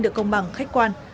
được công bằng khách quan